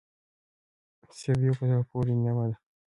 سيب يوه په زړه پوري ميوه ده